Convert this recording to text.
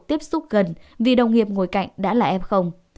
tiếp xúc gần vì đồng nghiệp ngồi cạnh đã là em không